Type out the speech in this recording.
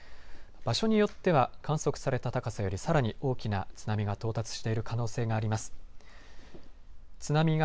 場所によっては観測された高さよりさらに大きな津波が到達している可能性があります。